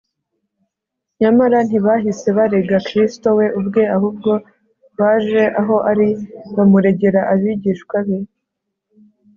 nyamara ntibahise barega kristo we ubwe, ahubwo baje aho ari bamuregera abigishwa be